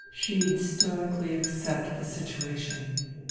She'd stoically accept the situation.